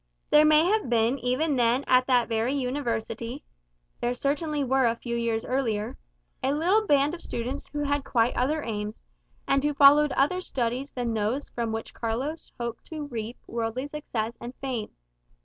There may have been even then at that very university (there certainly were a few years earlier), a little band of students who had quite other aims, and who followed other studies than those from which Carlos hoped to reap worldly success and fame.